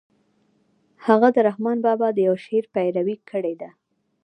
هغه د رحمن بابا د يوه شعر پيروي کړې ده.